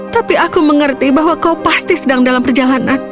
tapi aku mengerti bahwa kau pasti sedang dalam perjalanan